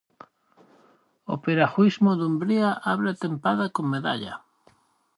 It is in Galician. O Piragüismo Dumbría abre a tempada con medalla.